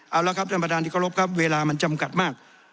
เอาละครับท่านประธานที่เคารพครับเวลามันจำกัดมาก